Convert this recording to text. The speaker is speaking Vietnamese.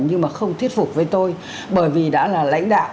nhưng mà không thuyết phục với tôi bởi vì đã là lãnh đạo